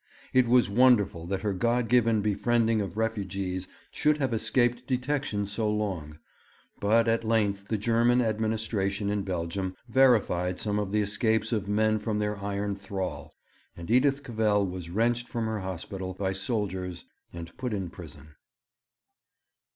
It was wonderful that her God given befriending of refugees should have escaped detection so long; but at length the German Administration in Belgium verified some of the escapes of men from their iron thrall, and Edith Cavell was wrenched from her hospital by soldiers and put in prison.